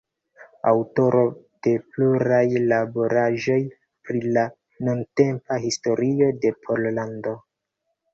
Aŭtoro de pluraj laboraĵoj pri la nuntempa historio de Pollando.